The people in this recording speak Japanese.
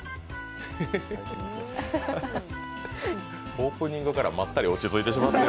オープニングからまったり落ち着いてしまってる。